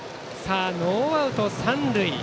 ノーアウト三塁。